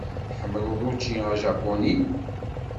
Tḥemmleḍ učči ajapuni?